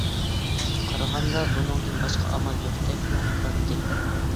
قارىغاندا بۇنىڭدىن باشقا ئامال يوقتەكمۇ قىلاتتى.